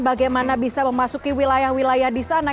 bagaimana bisa memasuki wilayah wilayah di sana